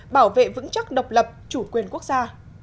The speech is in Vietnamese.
bảo vệ vững chắc độc lập chủ quyền quốc gia